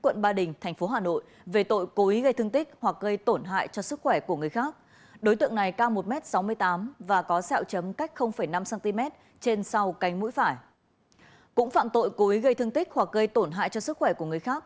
cũng phạm tội cố ý gây thương tích hoặc gây tổn hại cho sức khỏe của người khác